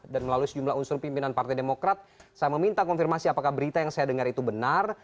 dan melalui sejumlah unsur pimpinan partai demokrat saya meminta konfirmasi apakah berita yang saya dengar itu benar